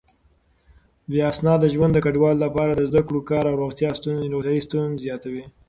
بې اسناده ژوند د کډوالو لپاره د زده کړو، کار او روغتيا ستونزې زياتوي.